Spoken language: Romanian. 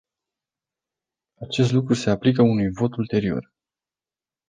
Acest lucru se aplică unui vot ulterior.